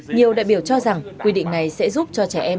nhiều đại biểu cho rằng quy định này sẽ giúp cho trẻ em